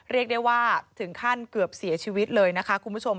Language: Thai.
เรียกได้ว่าถึงขั้นเกือบเสียชีวิตเลยนะคะคุณผู้ชม